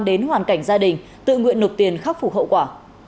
đến hoàn cảnh gia đình tự nguyện nộp tiền khắc phục hậu quả